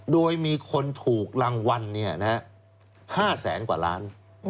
โดยมีคนถูกรางวัล๕แสนกว่าล้าน